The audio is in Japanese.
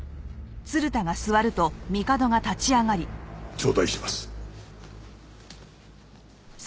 頂戴します。